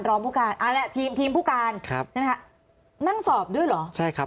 ทีมผู้การใช่ไหมคะนั่งสอบด้วยเหรอครับ